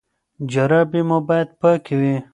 جرابې مو باید پاکې وي.